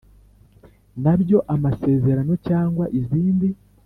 na byo amasezerano cyangwa izindi